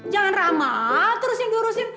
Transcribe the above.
jangan rama terusin durusin